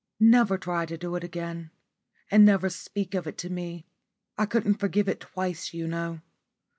Never try to do it again. And never speak of it to me. I couldn't forgive it twice, you know.